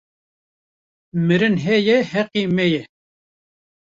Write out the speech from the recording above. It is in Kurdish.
Mirin heye heqê me ye